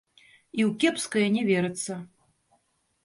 І ў кепскае не верыцца.